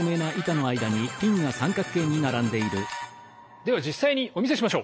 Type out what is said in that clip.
では実際にお見せしましょう。